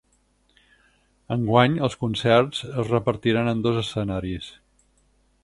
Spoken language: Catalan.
Enguany els concerts es repartiran en dos escenaris.